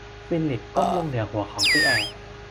ฟิลลิปก้มลงเหนือหัวของปิแอร์